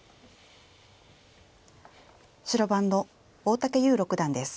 白番の大竹優六段です。